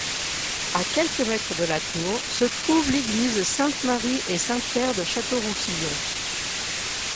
À quelques mètres de la tour se trouve l'église Sainte-Marie-et-Saint-Pierre de Château-Roussillon.